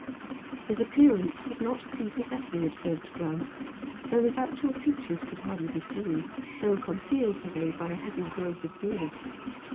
His appearance was not prepossessing at a first glance, though his actual features could hardly be seen, so concealed were they by a heavy growth of beard.